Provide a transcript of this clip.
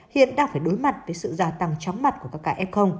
hiện đang phải đối mặt với sự gia tăng chóng mặt của các cảng f